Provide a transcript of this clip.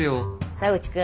田口君。